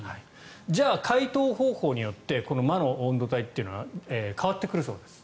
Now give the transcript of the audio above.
じゃあ、解凍方法によって魔の温度帯っていうのは変わってくるそうです。